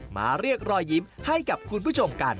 มาเรียกรอยยิ้มให้กับคุณผู้ชมกัน